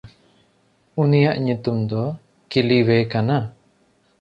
ᱩᱱᱤᱭᱟᱜ ᱧᱩᱛᱩᱢ ᱫᱚ ᱠᱤᱞᱤᱣᱮ ᱠᱟᱱᱟ᱾